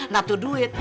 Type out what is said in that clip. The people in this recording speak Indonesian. nah tuh duit